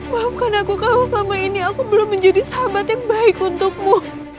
maafkan aku kalau selama ini aku belum menjadi sahabat yang baik untukmu